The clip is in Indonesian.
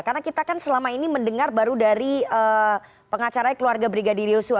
karena kita kan selama ini mendengar baru dari pengacarai keluarga brigadir yusuf